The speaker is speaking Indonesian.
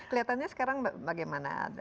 kelihatannya sekarang bagaimana